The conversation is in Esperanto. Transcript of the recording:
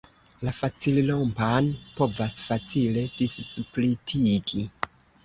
La facilrompan povas facile dissplitigi.